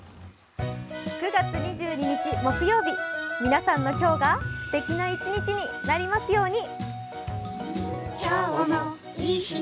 ９月２２日木曜日皆さんの今日がすてきな一日になりますように。